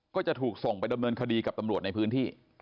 ก็จะถูกส่งไปดำเนินคดีกับตำรวจในพื้นที่